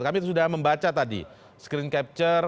kami sudah membaca tadi screen capture